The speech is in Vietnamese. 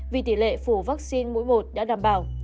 vì tỉ lệ phủ vaccine mỗi một đã đảm bảo